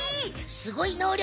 すごいのうりょ